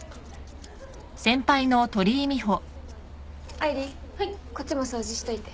愛梨こっちも掃除しといて。